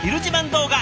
動画